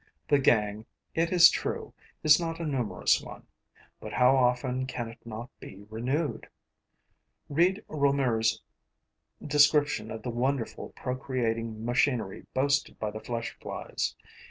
The gang, it is true, is not a numerous one; but how often can it not be renewed! Read Reaumur's description of the wonderful procreating machinery boasted by the Flesh flies.